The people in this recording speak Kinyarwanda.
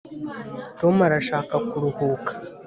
tom arashaka kuruhuka